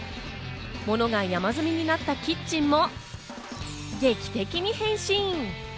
物が山積みになったキッチンも劇的に変身。